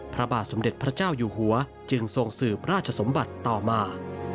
พระบาทสมเด็จพระเจ้าอยู่หัวจึงทรงสืบราชสมบัติต่อมา